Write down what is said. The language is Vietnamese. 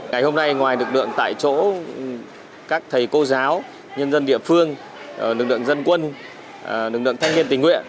ngày hôm nay ngoài lực lượng tại chỗ các thầy cô giáo nhân dân địa phương lực lượng dân quân lực lượng thanh niên tình nguyện